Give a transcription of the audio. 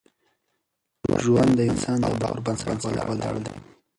ژوند د انسان د باور پر بنسټ ولاړ دی.